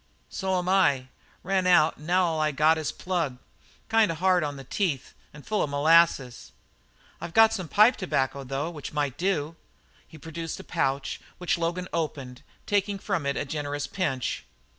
"So'm I. Ran out an' now all I've got is plug. Kind of hard on the teeth an' full of molasses." "I've some pipe tobacco, though, which might do." He produced a pouch which Logan opened, taking from it a generous pinch.